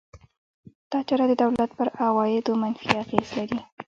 دا چاره د دولت پر عوایدو منفي اغېز لري.